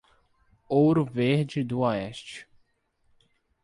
Ouro Verde do Oeste